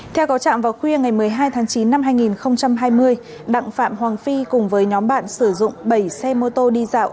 theo có trạm vào khuya ngày một mươi hai tháng chín năm hai nghìn hai mươi đặng phạm hoàng phi cùng với nhóm bạn sử dụng bảy xe mô tô đi dạo